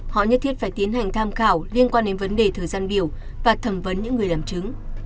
họ nhất thiết phải tiến hành tham khảo liên quan đến vấn đề thời gian biểu và thẩm vấn những người làm chứng